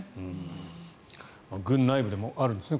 軍内部でもあるんですね。